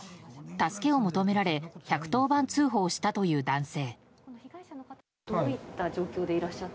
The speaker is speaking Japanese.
助けを求められ１１０番通報したという男性。